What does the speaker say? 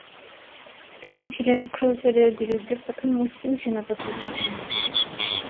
তিনি ছিলেন ক্রুসেডের বিরুদ্ধে প্রথম মুসলিম সেনাপতি।